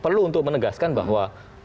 perlu untuk menegaskan bahwa